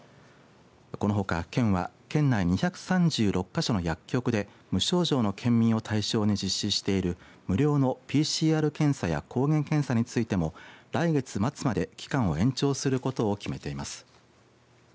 このほか県は県内２３６か所の薬局で無症状の県民を対象に実施している無料のＰＣＲ検査や抗原検査についても来月末まで期間を延長することを決めています。